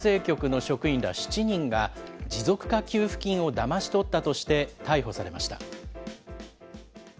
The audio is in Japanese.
東京国税局の職員ら７人が、持続化給付金をだまし取ったとして、逮捕されました。